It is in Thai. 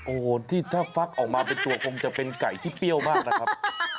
โอ้โหที่ถ้าฟักออกมาเป็นตัวคงจะเป็นไก่ที่เปรี้ยวมากนะครับ